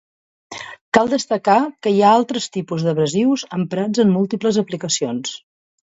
Cal destacar que hi ha altres tipus d'abrasius emprats en múltiples aplicacions.